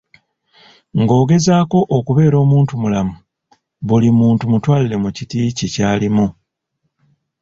Ng'ogezaako okubeera omuntu mulamu, buli muntu mutwalire mu kiti kye kyalimu.